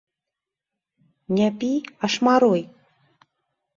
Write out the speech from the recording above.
Не пі, а шмаруй.